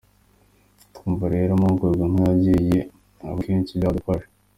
Twumva rero amahugurwa nk’aya agiye aba kenshi byadufasha.